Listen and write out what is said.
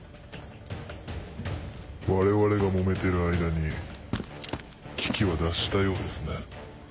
我々がもめてる間に危機は脱したようですね。